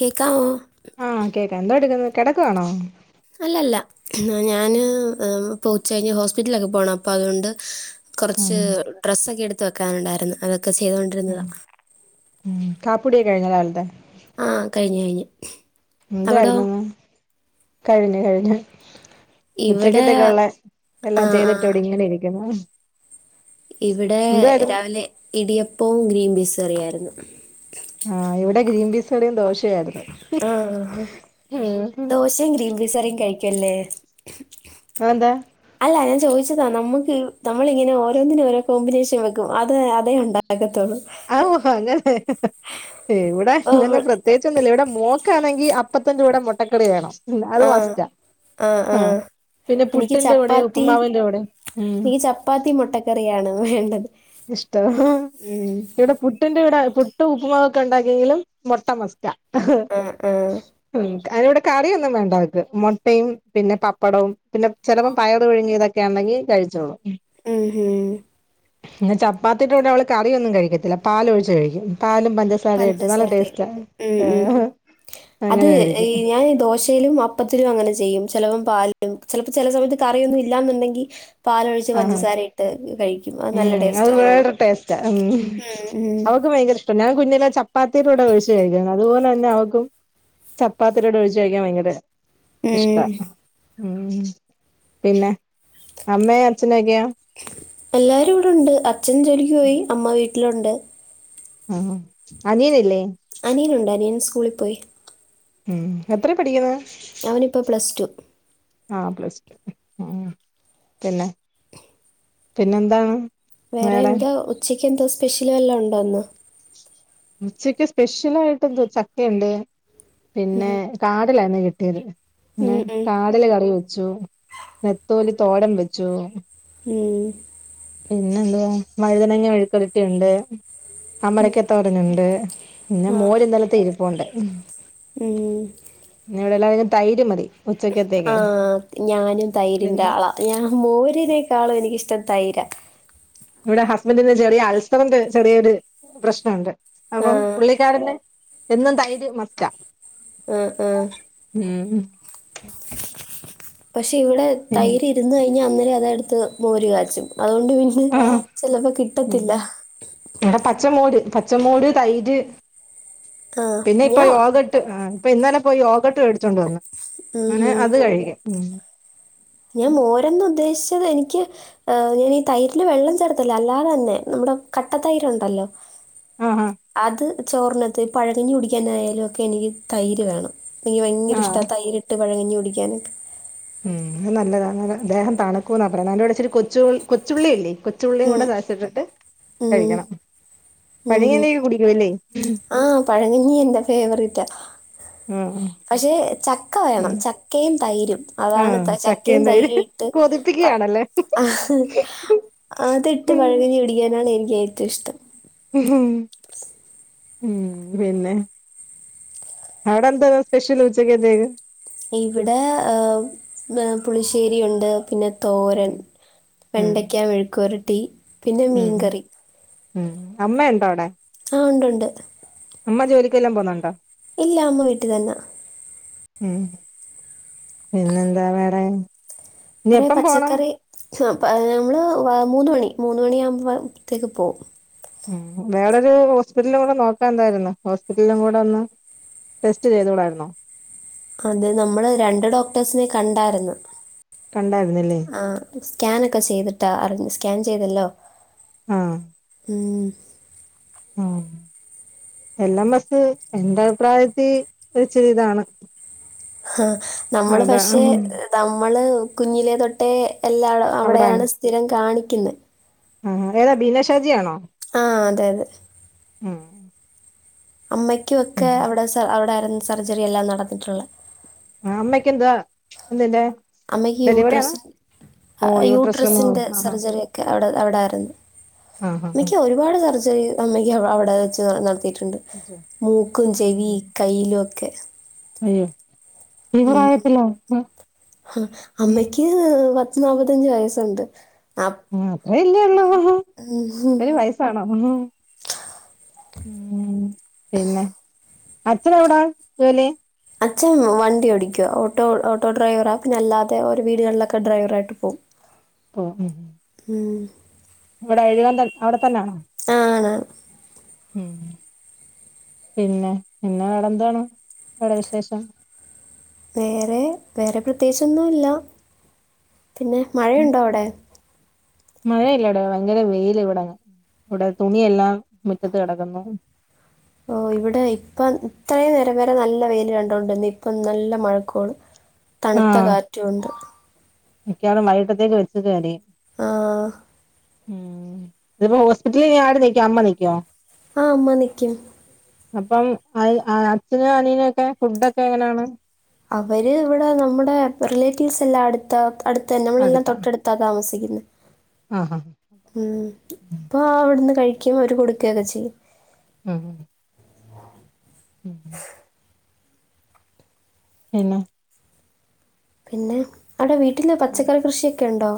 കേൾക്കാമോ ആ കേക്കാ എന്തോ എടുക്കുന്നു കിടക്കവാണോ അല്ലല്ല ഞാന് ഉച്ച കഴിഞ്ഞ് ഹോസ്പിറ്റലൊക്കെ പോണം അപ്പം അതുകൊണ്ട് ഉം കൊറച്ച് ഡ്രെസ്സൊക്കെ എടുത്ത് വെക്കാനുണ്ടായിരുന്നു അതൊക്കെ ചെയ്തോണ്ടിരുന്നതാ കാപ്പി കുടിയൊക്കെ കഴിഞ്ഞോ രാവിലത്തെ ആ കഴിഞ്ഞു കഴിഞ്ഞു അവിടോ എന്തായിരുന്നു കഴിഞ്ഞു കഴിഞ്ഞു ഇവിടെ ഉച്ചക്കത്തക്കെ ഉള്ള ആ എല്ലാം ആ ചെയ്തിട്ട് ഇവിടെ ഇങ്ങനെ ഇരിക്കുന്നു ഇവിടെ എന്തായിരുന്നു രാവിലെ ഇടിയപ്പവും ഗ്രീൻ പീസ് കറിയായിരുന്നു ആ ഇവിടെ ഗ്രീൻ പീസ് കറിയും ദോശ ആ ആ ഉം ദോശയും ഗ്രീൻ പീസ് കറിയും കഴിക്കല്ലേ അതെന്താ അല്ല ഞാൻ ചോദിച്ചതാ നമ്മുക്ക് നമ്മളിങ്ങനെ ഓരോന്നിനും ഓരോ കോമ്പിനേഷൻ വെക്കും അത് അതെ ഉണ്ടാക്ക അങ്ങനെ എവിടെ അപ്പോൾ ഇങ്ങനെ നമ്മൾ പ്രത്യേകിച്ചൊന്നുമില്ല ഇവിടെ മോ ക്കാ ആണെങ്കിൽ അപ്പത്തിന്റെ കൂടെ മുട്ടക്കറി വേണം ഇല്ല അത് മസ്റ്റാ ആ ആ ആഹ് പിന്നെ എനിക്ക് പുട്ടിന്റെ കൂടെ ചപ്പാത്തി ഉപ്പുമാവിന്റെ കൂടെ ഉം എനിക്ക് ചപ്പാത്തി മുട്ടക്കറിയാണ് വേണ്ടത് ഇഷ്ടം ഉം ഇവിടെ പുട്ടിന്റെ ഇവിടെ പുട്ട് ഉപ്പ്മാവൊക്കെ ഉണ്ടാക്കിയെങ്കിലും മൊട്ട മസ്റ്റ ആഹ് ആഹ് ഉം അതിവിടെ കറിയൊന്നും വേണ്ടക്ക് മുട്ടയും പിന്നെ പപ്പടവും പിന്നെ ചിലപ്പോ പയർ പുഴുങ്ങിയതൊക്കെ ആണെങ്ക ങ്കി കഴിച്ചോളും ഉം മ് ഇ ചപ്പാത്തി കൂടെ അവള് കറിയൊന്നും കഴിക്കത്തില്ല പാല് ഒഴിച്ച് കഴിക്കും പാലും പഞ്ചസാര ഇട്ട് നല്ല പഞ്ചസാരയും ടേസ്റ്റ് ഉം ആ ഉം അത് ഞാൻ ദോശയിലും അപ്പത്തിലും അങ്ങനെ ചെയ്യും ചിലപ്പം പാലിടും ചിലപ്പോ ചില സമയത്ത് കറിയൊന്നും ഇല്ലന്നുണ്ടെങ്കിൽ പാലൊഴിച്ച് ആഹ് പഞ്ചസാര ഇട്ട് കഴി ഉം അത് വേറെ ടേസ്റ്റ ഉം ഉം ഉം അവക്ക് ഭയങ്കര ഇഷ്ട്ടം ഞാൻ കുഞ്ഞിലെ ചപ്പാത്തിയിലൂടെ ഒഴിച്ച് കഴിക്കണം അതുപോലെ തന്നെ അവക്കും ചപ്പാത്തിയുടെ കൂടെ ഒഴിച്ച് കഴിക്കാൻ ഭയങ്കര ഉം. ഉ പിന്നെ അമ്മേം അച്ഛനൊക്കെയോ? എല്ലാരും ഇവിടുണ്ട് അച്ഛൻ ജോലിക്ക് പോയി അമ്മ വീട്ടിലുണ്ട്. ആഹ് അനിയനില്ലേ? അനിയനുണ്ട് അനിയൻ സ്കൂളി പോയി. ഉം എത്രെ പഠിക്കുന്ന്? അവനിപ്പോ പ്ലസ് ടു. ആഹ് പ്ലസ് ടു ആഹ് പിന്നെ പിന്നെന്താണ് വേറെ എന്താ ഉച്ചക്ക് എന്താ സ്പെഷ്യല് വല്ലോ ഉണ്ടോ ഇന്ന്? ഉച്ചക്ക് സ്പെഷ്യൽ ആയിട്ട് എന്തോ ചക്കയുണ്ട് പിന്നെ ഉം. കാരലായ്ന്നേ കി ട്ടിയത് പിന്നെ ഉം, ഉം, കാരല് കറി വെച്ചു നെത്തോലി തോരൻ വെച്ചു. ഉം പിന്നെ എന്തുവാ വഴുതനങ്ങ മെഴുക്കു ഒരട്ടിയുണ്ട്. ഉം, അമരക്ക തോരൻ ഉണ്ട് പിന്നെ ആ, മോര് ഇന്നലെത്തെ ഇരിപ്പുണ്ട്. ഉം. പിന്നെ ഇവിടെ എല്ലാവരും തൈര് മതി. ഉച്ചക്കത്തേക്കെ ആഹ് ഞാനും തൈരിന്റെ പിന്നെ ആളാ ഞാൻ മോരിനേക്കാളും എനിക്കിഷ്ടം തൈരാ ഇവിടെ ഹസ്ബൻറിന് ചെറിയ അൾസറിന്റെ ചെറിയൊരു പ്രശ്നവുണ്ട് ആ അപ്പം പുള്ളിക്കാരന് എന്നും തൈര് മസ്റ്റാ. ആഹ് ആഹ് ഉം ക്ഷേ ഇവിടെ തൈര് ഇരുന്ന് കഴിഞ്ഞാ അന്നേരം അതെടുത്ത് മോര് കാച്ചും. അതോണ്ട് പിന്നെ ആ ചെലപ്പോ കിട്ടത്തില്ല. ഇവിടെ പച്ചമോര് പച്ചമോര് തൈര് ആ പിന്നെ ഇപ്പൊ ഞാൻ യോഗട്ട് ആഹ് അപ്പ ഇന്നലെ പോയി യോഗട്ട് വേടിച്ചൊണ്ട് വന്ന് ഉം, അങ്ങനെ ഉം. അത് കഴിക്കും ഉം ഞാൻ മോരെന്ന് ഉദ്ദേശിച്ചത് എനിക്ക് ഏഫ് ഞാനീ തൈരില് വെള്ളം ചേർത്തല്ല അല്ലാതന്നെ ഇവടെ കട്ട തൈരുണ്ടല്ലോ. ആ ആ അത് ചോറിന ക്ലത്ത് പഴങ്കഞ്ഞി കുടിക്കാനായാലും ഒക്കെ എനിക്ക് തൈര് വേണം. എനിക്ക് ഭയങ്കര ആ ഇഷ്ടാ തൈര് ഇട്ട് പഴങ്കഞ്ഞി കുടിക്കാനൊക്കെ ഉം അത് നല്ലതാനേരം ദേഹം തണുക്കൂന്നാ പറയ്ണെ അയ്ൻ്റൂടെ ഇച്ചരി കൊച്ചുൾ കൊച്ചുള്ളിയില്ലേ കൊച്ചുള്ളിയും ഉം കൂടെ ചതച്ചിട്ടിട്ട് ഉം കഴിക്കണം ഉം ഉം. പഴങ്ങഞ്ഞിയെക്കെ കുടിക്കുവല്ലേ? ആഹ് പഴങ്ങഞ്ഞീ എന്റെ ഫേവറിറ്റാ ആ ഉം പക്ഷെ ചക്ക വേണം ചക്കയും തൈരും. ആ അതാണ് ചക്കയും ചക്കേം തൈര് തൈരും ഇട്ട് കൊതിപ്പിക്കുകയാണല്ലേ ആ അതിട്ട് പഴംകഞ്ഞി കുടിക്കാനാണ് എനിക്ക് ഏറ്റോം ഉം പിന്നെ അവിടെന്തോ സ്പെഷ്യൽ ഉച്ചക്കതേക്ക് ഇവിടെ ആ പുളിശ്ശേരി ഉണ്ട് പിന്നെ തോരൻ ഉം ഉം വെണ്ടയ്ക്ക മെഴുക്കുപെരട്ടി പിന്നെ ഉം മീൻകറി ഉം അമ്മ ഉണ്ടോ അവിടെ ഒണ്ടുണ്ട് അമ്മ ജോലിക്ക് വല്ലോം പോന്നൊണ്ടോ ഇല്ല അമ്മ വീട്ടിൽ തന്നാ ഉം പിന്നെ എന്താ വേറേ കൊറെേ പച്ചക്കറി നമ്മള് മൂന്ന് മണി മൂന്ന് മണി ആകുമ്പത്തേക്ക് പോകും ഉംവേറൊരു ഹോസ്പിറ്റലിലും കൂടെ നോക്കാൻ എന്തായിരുന്ന് ഹോസ്പിറ്റലിലും കൂടെ ഒന്ന് ടെസ്റ്റ് ചെയ്തുടായിരുന്നോ അത് നമ്മള് രണ്ട് ഡോക്ടേഴ്സിനെ കണ്ടായിരുന്നു കണ്ടായിരുന്നല്ലേ ആ സ്കാനൊക്കെ ചെയ്തിട്ടാ അറിഞ സ്കാൻ ചെയ്തല്ലോ ആഹ് ഇഹ് ഉം എല്ലെംഎസ് എന്റെ അഭിപ്രായത്തി ഒരു ചെറിതാണ് ആഹ് നമ്മള് പക്ഷെ നമ്മള് കുഞ്ഞിലെ തൊട്ടേ എല്ലാം അവിടെയാണ് സ്ഥിരം കാണിക്കുന്നേ ആ ഏതാ ബീനഷാജിയാണോ ആഹ് അതെ അതെ ഉം അമ്മക്കുംയൊക്കെ ഉം അവിടെ അവിടെ ആരുന്ന സർജറി എല്ലാം നടന്നിട്ടുള്ളെ ആ അമ്മക്ക് എന്താ എന്തിന്റ അമ്മയ്ക്ക് യൂട്രസി ഓ യൂട്രസ് റിമൂവൽ യൂട്രസിന്റെ ആഹ് സർജറിക്കെ അവിടെ അവിടെയാ രുന്നു ആഹ് ആഹ് ആഹ് അമ്മക്ക് ഒരുപാട് സർജറി അമ്മക്ക് അവിടെ വെച്ച് നടത്തി ണ്ട് മൂക്കും ഉം ചെവി കയ്യിലും ഒക്കെ അയ്യോ ഈ ഉം പ്രായത്തിലോ ആഹ് അമ്മക്ക്- പത്ത് നാപ്പത്തഞ്ചച് വയസ്സുണ്ട് അപ്- അത്ര ഇല്ല ഉള്ളോ ഉം. ഇത്ര [unintelligible] രി വയസാണോ ഉം പിന്നെ അച്ഛൻ എവിടാ ജോലി അച്ഛൻ വണ്ടി ഓടിക്കുക ഓട്ടോ ഓട്ടോ ഡ്രൈവറാ പിന്നെ അല്ലാതെ ഒരു വീടുകളിലൊക്കെ ഡ്രൈവറായിട്ട് പോകും ആ ഉ ഉ [unintelligible] ഉം ഇവിടെ എഴുകൻ തന്ന അവിടെ തന്നെണോ ആണ് ഉം പിന്നെ പിന്നെ വേരെ എന്താണ് അവിടെ വിശേഷം വേറെ വേറെ പ്രത്യേകിച്ച് ഒന്നുംയില്ല പിന്നെ മഴയുണ്ടോ അവിടെ മഴ ഇല്ലെടാ ഭയങ്കര വെയല് ഇവിടെ ഇവിടെ തുണിയെല്ലാം മിറ്റത്ത് കെടക്കുന്നു ഓ ഇവിടെ ഇപ്പ ഇത്രയും നേരം വേരെ നല്ല വെയില് കണ്ടൊടിരുന്നയാ ഇപ്പം നല്ല മഴക്കോള് തണുത്ത കാറ്റും ഒണ്ട് മിക്കാറും വൈകിട്ടത്തേക്ക് വച്ചത് കാര്യമായി ആ ഉം ഇത് ഇപ്പം ഹോസ്പിറ്റെൽ ആര് നിക്കും അമ്മ നിക്കോ? ആഹ് അമ്മ നിക്കും അപ്പം അയ് അച്ഛനും അനിയെനും ഒക്കെ ഫുഡൊക്കെ എങ്ങനെയാണ് അവെര് ഇവ്ടെ നമ്മുടെ റിലേറ്റീവ്സ് എല്ലാം അട്ത്താ അട്ത്തെന്നെ നമ്മളെല്ലാം അടുത്താ തൊട്ട അട്ത്താ താമസിക്ക് ന്നെ ആഹ് ഉം ഇപ്പാ അവ്ട്ന്ന് കഴി ക്കും അവെര് കൊട്ക്കെക്കെ ചെയ്യും ഉം ഉം പിന്നെ പിന്നെ അയുടെ വീട്ടിൽ പച്ചക്കറി കൃഷിയൊക്കെ ഇണ്ടോ?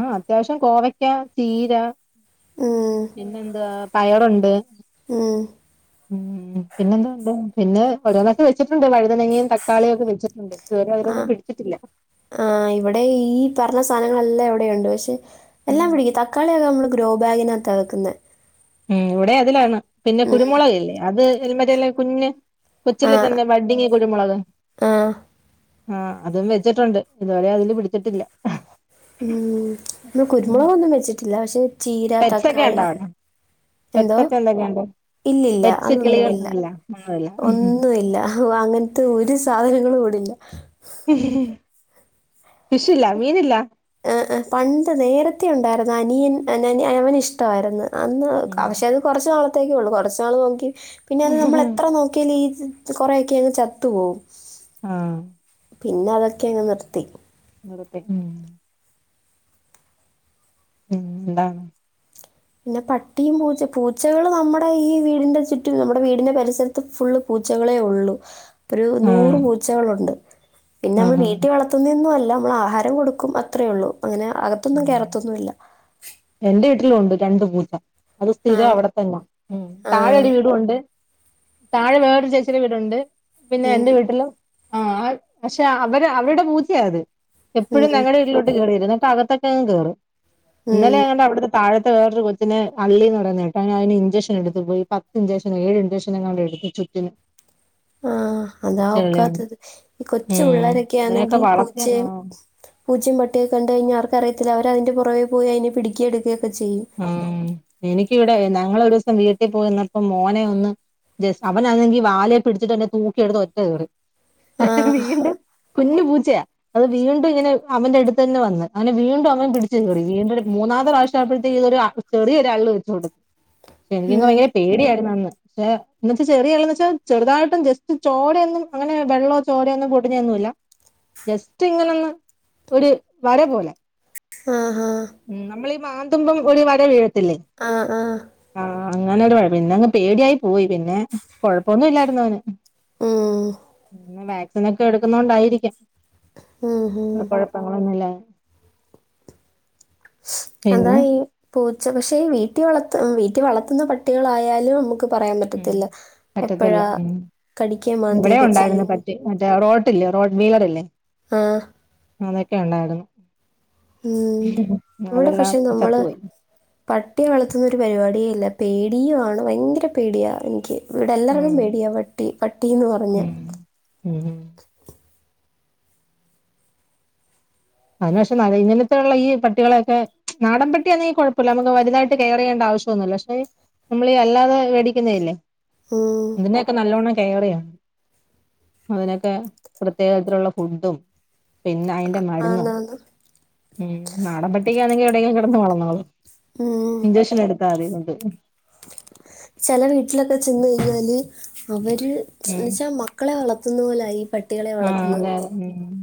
ആഹ് അത്യാവശ്യം കോവയ്ക്കാ, ചീരാ ഉം, പിന്നെന്തുവാ പയറുണ്ട് ഉം. ഉം പിന്നെ എന്താ ഉണ്ട് പിന്നെ ഒരോന്നൊക്കെ വെച്ച് ണ്ട് വഴ്തനങ്ങെയും തക്കാളിയും ഒക്കെ വെച്ച്ട്ട്ണ്ട് ഇത് വെരെ ആ അയിലൊന്നും പിടിച്ചിട്ടില്ല സാധങ്ങളെല്ലാം ഇവിടെയുണ്ട് പക്ഷെ ഉം എല്ലാം പിടിക്കും തക്കാളിയൊക്കെ നമ്മള് ഗ്രോ ബാഗിനകത്താ വെക്കുന്നെ ഉം ഇവിടെ അതിലാണ് പിന്നെ കുരുമുളകില്ലേ അത് മറ്റേല്ലേ ഈ കുഞ്ഞ് ആ കൊച്ചിലെ തന്നെ ബഡ്ഡിങ്ങ് കുരുമുളക് ആ ആഹ് അതും വെച്ചിട്ടുണ്ട് ഇതുവരെ അതില് പിടിച്ചിട്ടില്ല ഉം ഇവടെ കുരുമുളകൊന്നും വെച്ചിട്ടില്ല പക്ഷെ ചീര പെറ്റ്സൊക്കെ ഉണ്ടോ തക്കാളി അവിടെ പെറ്റ്സൊക്കെ എന്തോ എന്തൊക്കെ ഉണ്ട് ഇല്ലില്ല അതൊന്നുമില്ല ഒന്നുല്ല ഒന്നുമില്ല അങ്ങനത്തെ ഒരു സാധനങ്ങളും ഇ [unintelligible] വിഷോല്ല മീനില്ല ആഹ് ആഹ് പണ്ട് നേരത്ത ഉണ്ടായിരുന്നു അനിയൻ അവൻ ഇഷ്ടമായിരുന്നു അന്ന് പക്ഷേ അത് കുറച്ച് നാളത്തേക്കേ ഉള്ളൂ കുറച്ച് നാൾ നോക്കി പിന്നെ അത് നമ്മൾ എത്ര നോക്കിയാലും ഈ കൊറെയൊക്കെ അങ്ങ് ചത്തു പോവും ആഹ് പിന്നെ അതൊക്കെ അങ്ങ് നിർത്തി നിർത്തി ഉഠ ഉം ന്താണ് പിന്നെ പട്ടിയും പൂച്ച പൂച്ചകള് നമ്മുടെ ഈ വീടിന്റെ ചുറ്റും നമ്മുടെ വീടിന്റെ പരിസരത്ത് ഫുള്ള് പൂ ച്ചകളെ ഉള്ളൂ ഒരു ആഹ് നൂറുപൂച്ചകളുണ്ട് പിന്നെ നമ്മ ആഹ് വീട്ടിൽ വളർത്തുന്ന ഒന്നൂവല്ല നമ്മൾ ആഹാരം കൊടുക്കും അത്രേ ഉള്ളൂ അങ്ങനെ അകത്തൊന്നും കേറത്തൊന്നും ഇല്ല എന്റെ വീട്ടിലും ഉണ്ട് രണ്ട് പൂച്ച അത് ആ സ്ഥിരം അവിടെ തന്നെ ഉം ആ താഴെ ഒരു വീടും ഉണ്ട് താഴെ വേറൊരു ചേച്ചിയുടെ വീടുണ്ട് പിന്നെ ഉം, എൻ്റെ വീട്ടിലും ആ പക്ഷെ അവര് അവരുടെ പൂച്ചയാത് എപ്പോഴും ഉം, ഞങ്ങളുടെ വീട്ടിലോട്ട് കയറി വരും എന്നട്ട് അകത്തെ ക്കെയും കേറും ഉം. ഇന്നലെ ആണെങ്കിൽ അവിടുന്ന്‌ താഴെ ഇവിടെ വോറൊരു കൊച്ചിനെ അള്ളീന്ന്‌ പറയുന്ന കേട്ടു അതിന് ഇൻജെക്ഷൻ എടുത്തു പോയി പത്ത് ഇഞ്ചെക്ഷൻ ഏഴ് ഇൻജക്ഷനെങ്ങാണ്ട് എടുപ്പിച്ചു മ്ഹ് ആഹ് അതാ ഒക്കാത്തത് ഈ കൊച്ചു ഇതിനൊക്കെ പിള്ളേരൊക്കെയാണെങ്കി വളർത്തിയണോ പൂച്ചയും പൂജ്യം പട്ടി കഴിഞ്ഞഞ് ആർക്കറിയത്തില്ല അവര അതിന്റെ പുറവ പോയി അതിന് പിടിയെടുക്കുക ആ എനിക്കിവിടെ ഞങ്ങളൊരു ദിവസം വീട്ടിൽ പോയിവന്നപ്പം മോനെ ഒന്ന് അവനാണെങ്കി വാലെ പിടിച്ചിട്ട് തൂക്കിയെടുത്ത് ഒറ്റ ആ ഏറ് വീണ്ടും കുഞ്ഞു പൂച്ചയാ അത് വീണ്ടും ഇങ്ങനെ അവന്റെ അടുത്ത് തന്നെ വന്ന് അവനെ വീണ്ടും അവൻ പിടിച്ചു കീറി വീണ്ടും മൂന്നാത്തെ പ്രാവശ്യം അത് ഒരു ചെറിയൊരു അള്ള് വെച്ചു കൊടുത്തു പക്ഷെ എനിക്ക് ഉം, ഭയങ്കര പേടിയായിരുന്നു അന്ന് പക്ഷെ എന്ന് വെച്ചാ ചെറിയള്ള് എന്ന് വെച്ചാൽ ചെറുതായിട്ടും ജസ്റ്റ് ചോരയൊന്നും അങ്ങനെ വെള്ളോ ചോരയൊന്നും പൊടിഞ്ഞൊന്നും ഇല്ല ജസ്റ്റ് ഇങ്ങനെന്ന് ഒരു വര പോലെ ആഹ് ഉം നമ്മള് ഈ മാന്തുമ്പം ഒരു വര വീഴ ആഹ് ആഹ് അങ്ങനെരു കുഴപ്പം പിന്നങ്ങ് പേടിയായി പോയി പിന്നെ കൊഴപ്പോന്നും ഇല്ലായിരുന്നു അവന് ഉം, വാക്സിനൊക്കെ എടുക്കുന്ന കൊണ്ടായിരിക്കും ഉം, ഉം. കുഴപ്പങ്ങളൊന്നുല്ലാണ്ട് അതാ ഈ പോ പക്ഷേ വീട്ടിൽ വളർത്ത വീട്ടിൽ വളർത്തുന്ന പട്ടികളായാലും നമുക്ക് പറയാൻ ഉം പറ്റത്തില്ല പറ്റത്തില്ല എപ്പോഴാ ഉം കടിക്കുകയും ഇവിടെയും മാന്തിയൊക്കെ ഉണ്ടായിരുന്നു ചെയ്യുന്നു പട്ടി മറ്റേ റോഡ് റോഡ്ലീവർ അല്ലേ ആഹ് അതൊക്കെ ഉണ്ടായിരുന്നു ഉം ഇവിടെ അതെല്ലാം പക്ഷെ നമ്മള് ചത്തുപോയി പട്ടിയെ വളർത്തുന്നൊരു പരുപാടിയേയില്ല പേടിയുമാണ് ഭയങ്കര പേടിയാണ് എനിക്ക് ഇവിടെ എല്ലാർക്കും ഉം പേടിയാ പട്ടി പട്ടീന്ന് പറഞ്ഞാ ഉം ഉം അതിനു പക്ഷെ ഇങ്ങനത്തെെയുള്ള ഈ പട്ടികളെയൊക്കെ നാടൻ പട്ടിയാന്നെങ്കി കൊഴപ്പല്ല നമുക്ക് വലുതായിട്ട് കെയറ ചെയേണ്ടാവ ശൊന്നുല്ല. പക്ഷെ നമ്മളീ അല്ലാതെ വേടിക്കുന്നല്ലേ ഉം അതിനെക്കെ നല്ലോണം റാണ് അതിനെക്കെ പ്രത്യേകത്തിലുള്ള ഫുഡും പിന്നെ അയിന്റെ മരുന്നു ആത ഉം നാടൻ പട്ടിക്കാണെങ്കി എവിടെയെങ്കിലും കെടന്ന് വളർന്നോളൂ ഇഞ്ചക്ഷൻ എടുത്താൽ മതി കൊണ്ട് ചെല വീട്ടിലൊക്കെ ചെന്ന് കയിഞ്ഞാല് അവര് ര് ന്ന്വെച്ചാൽ മക്കളെ വളർത്തുന്ന പോലൊയി പ ആ അതെയ ഉം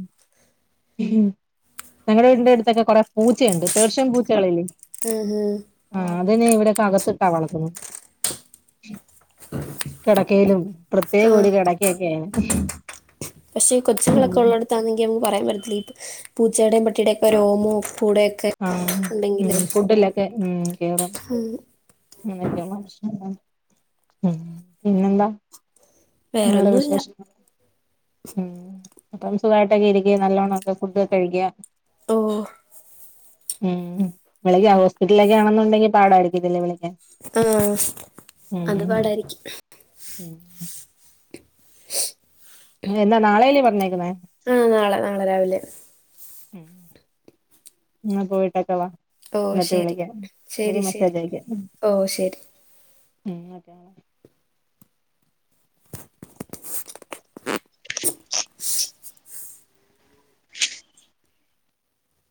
ഞങ്ങടെ വീടിന്റെടുത്തൊക്കെ കൊറെ പൂച്ചേണ്ട് പേർഷ്യൻ പൂച്ചകളെല്ല ആഹ ഹഹ അതിനെ ഇവിടെക്കകത്തിട്ടാ വളർത്തുന്നു കെടക്കയിലും പ്രത്യേകൊര് കെടക്കെക്കെയ്ന് പക്ഷെ കൊച്ചുങ്ങളൊക്കെ ഉള്ളടത്താണെങ്കി നമുക്ക് പറയാൻ പറ്റത്തി ഇപ്പൊ പൂച്ചേയുടെയും പട്ടിയുടെ ഒക്കെ രോമോ ഉപ്പൂടെയൊക്കെ ആഹ ഉ ഉണ്ടെങ്കിൽ ഫുഡ്ല്ലക്കെ ഉം കേറാം [unintelligible] പിന്നെന്താ നിങ്ങടെ വേറൊന്നുമില്ല വിശേഷങ്ങള് ഉം അപ്പം സുഖായിട്ടൊക്കെ ഇരിക്ക്യ നല്ലോണക്കെ ഫുഡക്കെ കഴിക്കുക ഓ ഉം വിളക്ക് ഹോസ്പിറ്റലിലേക്കെ ആണെന്നുണ്ടെങ്കിൽ പാടാരിക്കത്തില്ലേ വിള ആ അത് പാടായിരിക്കും ഉം ന്നെന്നാ നാളെല്ല് പറഞ്ഞേക്കുന്നേ ആഹ നാളെ നാളെ രാവിലെ ഉ ഇങ്ങ പോയിട്ടക്കവാ ഓ എന്നിട്ട് ശരി വിളിക്കാം ഇടക്ക് ശരി ശരി മെസ്സാജ് അയക്ക ഓ ശരി ഉം [inaudible]